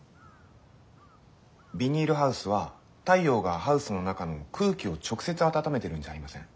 ビニールハウスは太陽がハウスの中の空気を直接温めてるんじゃありません。